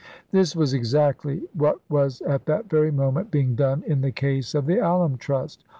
... This was exactly what was at that very moment being done in the case of the Alum Trust.